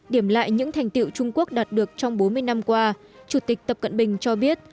điểm lại những thành tiệu trung quốc đạt được trong bốn mươi năm qua chủ tịch tập cận bình cho biết